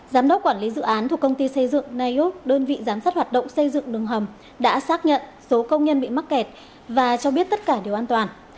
giám đốc quản lý dự án thuộc công ty xây dựng nioc đơn vị giám sát hoạt động xây dựng đường hầm đã xác nhận số công nhân bị mắc kẹt và cho biết tất cả đều an toàn